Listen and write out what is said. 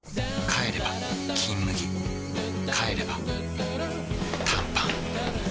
帰れば「金麦」帰れば短パン